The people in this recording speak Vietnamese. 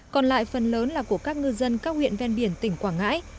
còn lại phần lớn là của các ngư dân các huyện ven biển tỉnh quảng ngãi